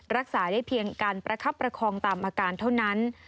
รักษาได้เพียงการประคับประคองตามอาการเท่านั้น